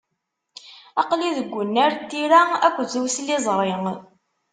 Aql-it deg unnar n tira akked usliẓri.